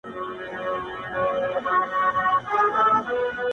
غواړم د پېړۍ لپاره مست جام د نشیې ~